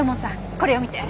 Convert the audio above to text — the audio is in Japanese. これを見て。